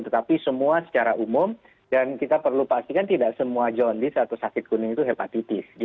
tetapi semua secara umum dan kita perlu pastikan tidak semua john dis atau sakit kuning itu hepatitis